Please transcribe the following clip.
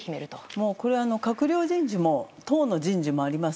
もうこれは閣僚人事も党の人事もあります。